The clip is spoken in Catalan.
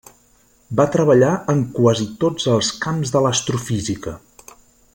Va treballar en quasi tots els camps de l'astrofísica.